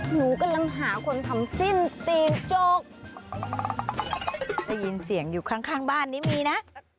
หนูกำลังหาคนทำสิ้นตีนจกได้ยินเสียงอยู่ข้างข้างบ้านนี้มีนะ